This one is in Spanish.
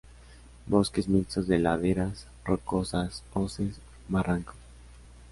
Bosques mixtos de laderas rocosas, hoces, barrancos.